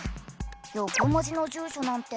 横文字の住所なんて